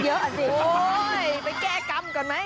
โอ้ยไปแก้กรรมก่อนไหม